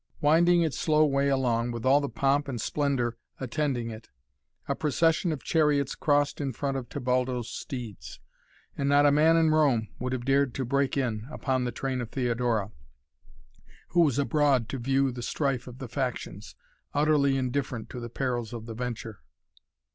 Winding its slow way along, with all the pomp and splendor attending it, a procession of chariots crossed in front of Tebaldo's steeds, and not a man in Rome would have dared to break in upon the train of Theodora, who was abroad to view the strife of the factions, utterly indifferent to the perils of the venture.